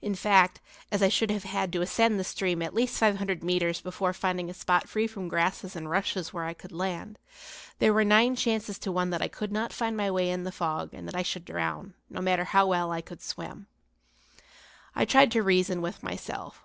In fact, as I should have had to ascend the stream at least five hundred metres before finding a spot free from grasses and rushes where I could land, there were nine chances to one that I could not find my way in the fog and that I should drown, no matter how well I could swim. I tried to reason with myself.